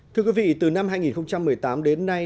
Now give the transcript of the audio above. thưa quý vị từ năm hai nghìn một mươi tám đến nay